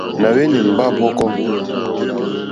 Nà hweni ŋgba hvɔ̀kɔ.